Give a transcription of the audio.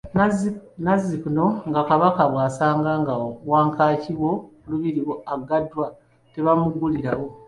Nazzikuko nga Kabaka bw’asanga nga wankaaki wo lubiri aggaddwa, tebamuggulirawo.